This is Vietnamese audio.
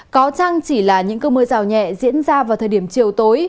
có chăng chỉ là những cơn mưa rào nhẹ diễn ra vào thời điểm chiều tối